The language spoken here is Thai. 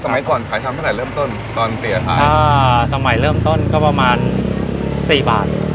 ไม่มีเหลือครับ